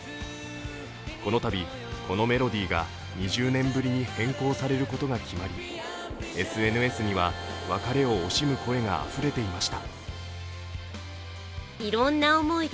このたび、このメロディ−が２０年ぶりに変更されることが決まりＳＮＳには別れを惜しむ声があふれていました。